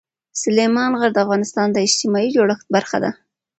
سلیمان غر د افغانستان د اجتماعي جوړښت برخه ده.